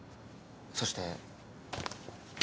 そして。